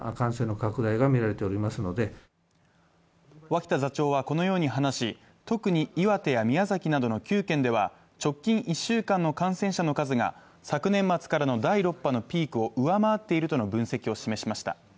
脇田座長はこのように話し特に岩手や宮崎などの９県では直近１週間の感染者の数が昨年末からの第６波のピークを上回っているとの分析を示しました。